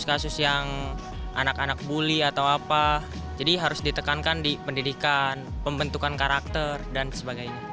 anak anak buli atau apa jadi harus ditekankan di pendidikan pembentukan karakter dan sebagainya